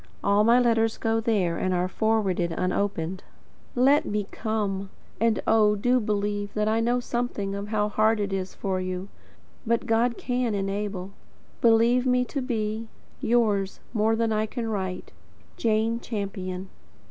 All my letters go there, and are forwarded unopened. LET ME COME. And oh, do believe that I know something of how hard it is for you. But God can "enable." Believe me to be, Yours, more than I can write, Jane Champion.